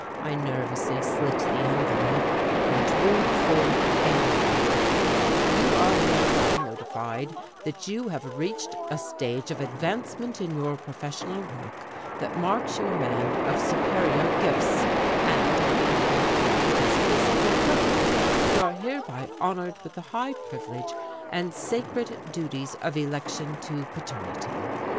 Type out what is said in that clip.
I nervously slit the envelope and drew forth a letter: "You are hereby notified that you have reached a stage of advancement in your professional work that marks you a man of superior gifts, and, having been reported as physically perfect you are hereby honoured with the high privilege and sacred duties of election to paternity.